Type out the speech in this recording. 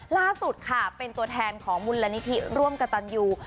ล่าสุดค่ะเป็นตัวแทนของมูลนิธิร่วมกับตันยู